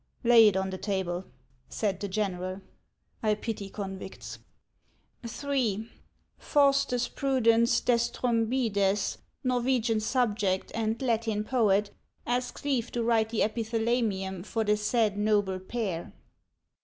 " Lay it on the table," said the general. " I pity convicts." " 3. Faustus Prudens Destrombides, Norwegian subject and Latin poet, asks leave to write the epithalamium for the said noble pair."